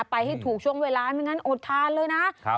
ไปให้ถูกช่วงเวลาไม่งั้นอดทานเลยนะ